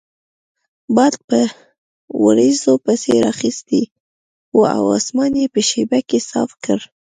باد په وریځو پسې رااخیستی وو او اسمان یې په شیبه کې صاف کړ.